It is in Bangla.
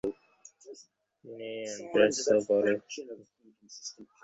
তিনি এন্ট্রান্স ও পরে এফএ পরীক্ষায় উত্তীর্ণ হন।